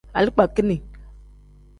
Alikpakin.